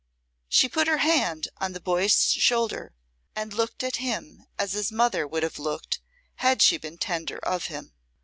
She put her hand on the boy's shoulder and looked at him as his mother would have looked had she been tender of him.